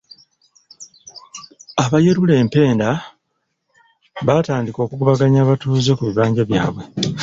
Abayerula empenda baatandika okugobaganya abatuuze ku bibanja byabwe